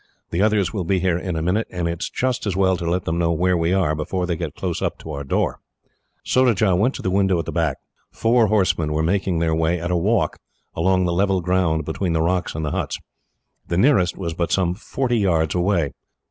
The others will be here in a minute, and it is just as well to let them know where we are, before they get close up to our door." Surajah went to the window at the back. Four horsemen were making their way, at a walk, along the level ground between the rocks and the huts. The nearest was but some forty yards away.